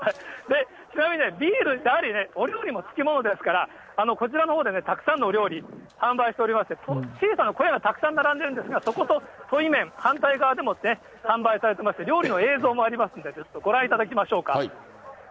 ちなみにね、ビールにはやはりお料理も付き物ですから、こちらのほうでね、たくさんのお料理、販売しておりまして、小さな小屋がたくさん並んでるんですけれども、そこと対面、反対側でも販売されてまして、料理の映像もありますんで、ご覧いただきましょうか。